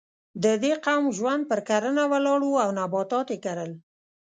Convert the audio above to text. د دې قوم ژوند پر کرنه ولاړ و او نباتات یې کرل.